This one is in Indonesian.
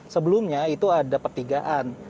sebelumnya itu ada pertigaan